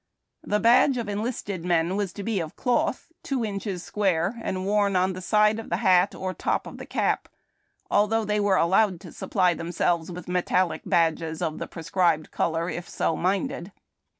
The badge of enlisted men was to be of cloth, two inches square, and worn on the side of the hat or top of the cap, although they were allowed to supply themselves with metallic badges of the prescribed color, if so minded.